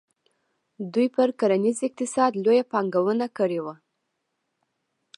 دوی پر کرنیز اقتصاد لویه پانګونه کړې وه.